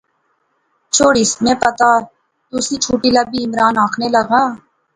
چھوڑیس، میں پتہ، تسیں چٹھی لبی، عمران آخنے لاغآ